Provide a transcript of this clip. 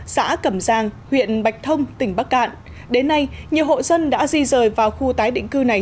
xã cẩm giang huyện bạch thông tỉnh bắc cạn đến nay nhiều hộ dân đã di rời vào khu tái định cư này